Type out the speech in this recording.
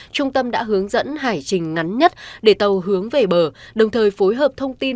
trung tâm đã hướng dẫn hải trình ngắn nhất để tàu hướng về bờ đồng thời phối hợp thông tin